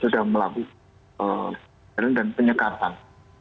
sudah melakukan pencarian dan penyekatan